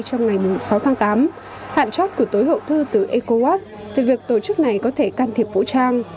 trong ngày sáu tháng tám hạn chót của tối hậu thư từ ecowas về việc tổ chức này có thể can thiệp vũ trang